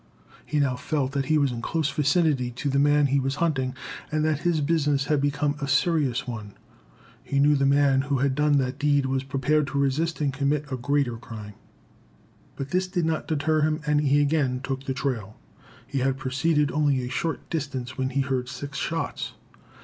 He now felt that he was in close vicinity to the man he was hunting, and that his business had become a serious one. He knew the man who had done that deed was prepared to resist and commit a greater crime. But this did not deter him and he again took the trail. He had proceeded only a short distance when he heard six shots.